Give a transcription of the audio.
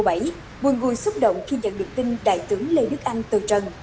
buồn vui xúc động khi nhận được tin đại tướng lê đức anh tờ trần